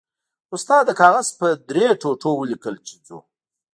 استاد د کاغذ په درې ټوټو ولیکل چې ځو.